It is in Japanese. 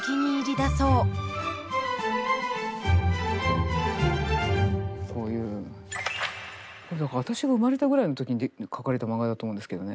だから私が生まれたぐらいの時に描かれた漫画だと思うんですけどね。